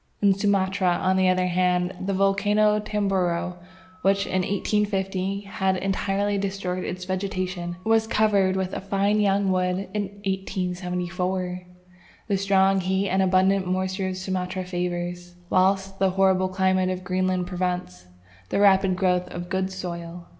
In Sumatra, on the other hand, the volcano of Tamboro, which in 1815 had entirely destroyed its vegetation, was covered with a fine young wood in 1874! The strong heat and abundant moisture of Sumatra favours, whilst the horrible climate of Greenland prevents, the rapid growth of good soil.